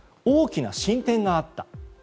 大きな進展があった。